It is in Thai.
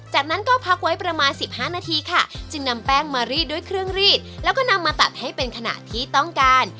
จากนั้นก็พักไว้ประมาณสิบห้านาทีค่ะจึงนำแป้งมารีดด้วยเครื่องรีดแล้วก็นำมาตัดให้เป็นขณะที่ต้องการ